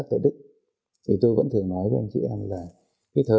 phát triển kinh tế của đất nước